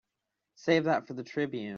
Save that for the Tribune.